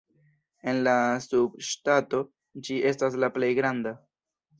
En la subŝtato ĝi estas la plej granda.